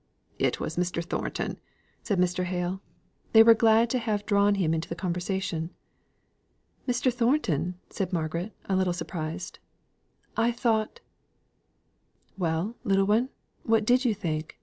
"It was Mr. Thornton," said Mr. Hale. They were glad to have drawn him into the conversation. "Mr. Thornton!" said Margaret, a little surprised. "I thought " "Well, little one, what did you think?"